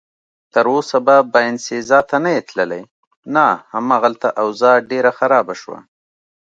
تراوسه به باینسیزا ته نه یې تللی؟ نه، هماغلته اوضاع ډېره خرابه شوه.